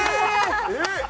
えっ？